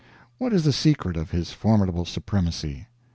What is the secret of his formidable supremacy?